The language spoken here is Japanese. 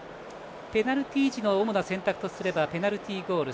ペナルティー時の主な選択とすればペナルティーゴール。